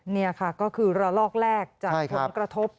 นี่ค่ะก็คือระลอกแรกจากผลกระทบ